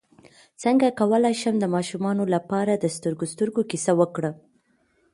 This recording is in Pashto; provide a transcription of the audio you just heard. څنګه کولی شم د ماشومانو لپاره د سترګو سترګو کیسه وکړم